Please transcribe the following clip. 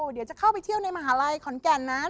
เดี๋ยวจะเข้าไปเที่ยวในมหาลัยขอนแก่นนั้น